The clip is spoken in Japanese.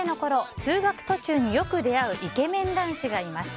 通学途中によく出会うイケメン男子がいました。